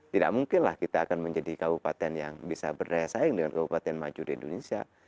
tidak mungkinlah kita akan menjadi kabupaten yang bisa berdaya saing dengan kabupaten maju di indonesia